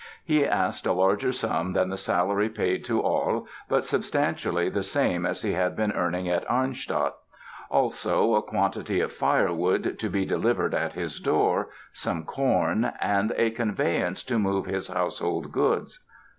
He asked a larger sum than the salary paid to Ahle but substantially the same as he had been earning at Arnstadt; also, a quantity of firewood "to be delivered at his door," some corn, and a conveyance to move his household goods.